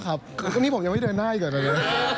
วันนี้ผมยังไม่เจอหน้าอีกหรอกเลยนะ